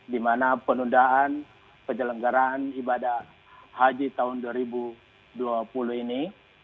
di mana penundaan penyelenggaran ibadah haji tahun dua ribu dua puluh ini